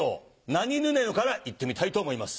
「なにぬねの」からいってみたいと思います。